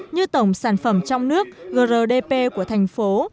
như tổng sản phẩm trong nước grdp của thành phố